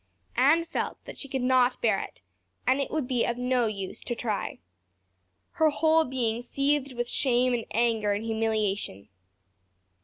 Anne felt that she could not bear it and it would be of no use to try. Her whole being seethed with shame and anger and humiliation.